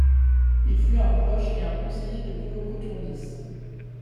Il fut un proche et un conseiller de Kolokotronis.